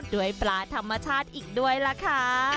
ด้วยปลาธรรมชาติอีกด้วยล่ะค่ะ